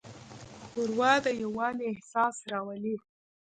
ښوروا د یووالي احساس راولي.